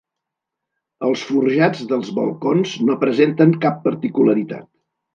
Els forjats dels balcons no presenten cap particularitat.